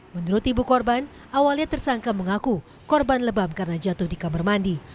menurut ibu korban awalnya tersangka mengaku korban lebam karena jatuh di kamar mandi